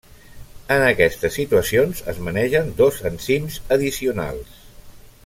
En aquestes situacions es manegen dos enzims addicionals.